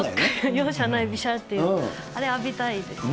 容赦ない、びしゃっていう、あれ、浴びたいですね。